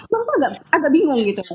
mereka itu agak bingung